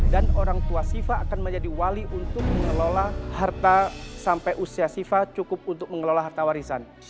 dan orang tua siva akan menjadi wali untuk mengelola harta sampai usia siva cukup untuk mengelola harta warisan